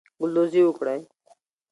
ګلدوزی وکړئ.